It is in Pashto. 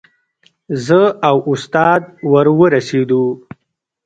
زه او استاد ور ورسېدو.